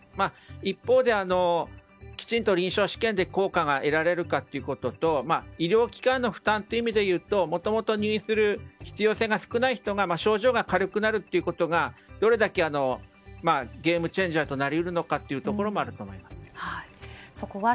一方で、きちんと臨床試験で効果が得られるかということと医療機関の負担という意味でいうともともと入院する必要性が少ない人が症状が軽くなるというところがどれだけゲームチェンジャーになるかというところはあると思います。